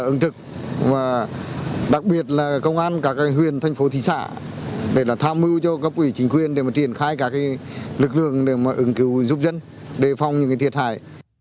công an tỉnh quảng bình chỉ đạo công an các huyện thị xã thành phố tham mưu cho các quỹ chính quyền để triển khai các lực lượng để ứng cứu giúp dân đề phòng những thiệt hại